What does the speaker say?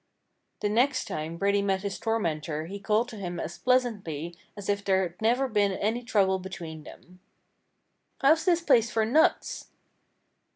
The next time Reddy met his tormentor he called to him as pleasantly as if there'd never been any trouble between them. "How's this place for nuts?"